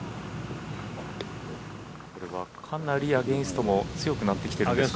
これはかなりアゲンストも強くなってきてるんですか？